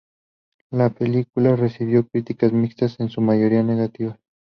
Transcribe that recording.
La película recibió críticas mixtas en su mayoría negativas.